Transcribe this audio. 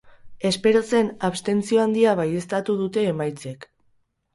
Espero zen abstentzio handia baieztatu dute emaitzek.